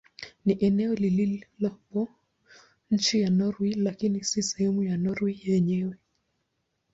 Ni eneo lililopo chini ya Norwei lakini si sehemu ya Norwei yenyewe.